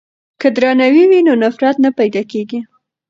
که درناوی وي نو نفرت نه پیدا کیږي.